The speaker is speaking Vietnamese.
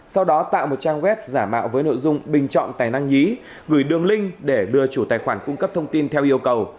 sau đó tạo một trang web giả mạo với nội dung bình chọn tài năng nhí gửi đường link để đưa chủ tài khoản cung cấp thông tin theo yêu cầu